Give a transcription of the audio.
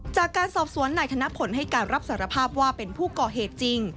จากการสอบสวนนายธนพลให้การรับสารภาพว่าเป็นผู้ก่อเหตุจริง